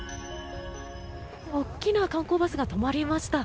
大きな観光バスが止まりました。